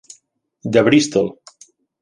de Bristol.